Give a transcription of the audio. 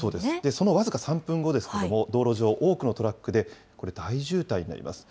その僅か３分後ですけれども、道路上、多くのトラックでこれ、大渋滞になります。